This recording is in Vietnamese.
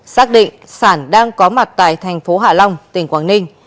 xác định sản đang có mặt tại thành phố hạ long tỉnh quảng ninh